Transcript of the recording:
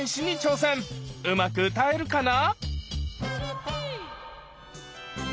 うまく歌えるかな？